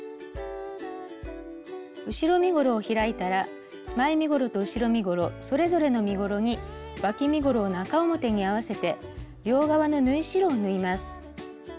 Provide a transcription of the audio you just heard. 後ろ身ごろを開いたら前身ごろと後ろ身ごろそれぞれの身ごろにわき身ごろを中表に合わせて両側の縫い代を縫います。